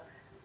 itu akan jadi